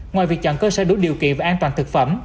ngoài việc chọn cơ sở đủ điều kiện về an toàn thực phẩm